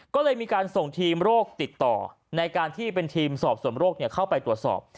ก็เลยมีการส่งทีมโรคติดต่อในการที่เป็นทีมสอบส่วนโรคเข้าไปตรวจสอบ